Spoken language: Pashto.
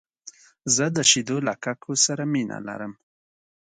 زه د شیدو له ککو سره مینه لرم .